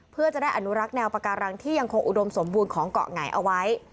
เพื่อจะได้อนุรักษ์แนวปาการังที่ยังคงอุดมสมบูรณ์ของเกาะหงายเอาไว้